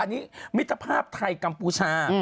อันนี้มิตรภาพไทยกัมพูชา